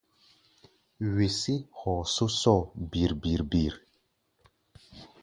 Wesé hɔɔ sɔ́sɔ́ɔ bir-bir-bir.